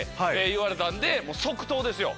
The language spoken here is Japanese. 言われたんで即答ですよ。